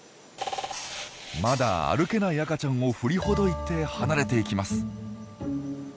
まだ歩けない赤ちゃんを振りほどいて離れていきます。